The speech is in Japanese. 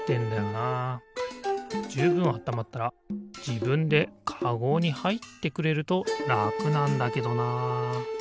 じゅうぶんあったまったらじぶんでかごにはいってくれるとらくなんだけどな。